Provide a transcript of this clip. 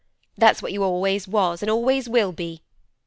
that's what you always was, an' always will be.